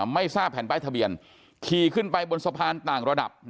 ไม่ทราบแผ่นป้ายทะเบียนขี่ขึ้นไปบนสะพานต่างระดับ